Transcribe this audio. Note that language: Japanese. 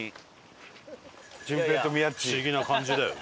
不思議な感じだよね。